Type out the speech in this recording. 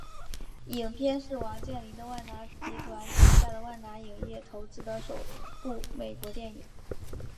影片是王健林的万达集团旗下的万达影业投资的首部美国电影。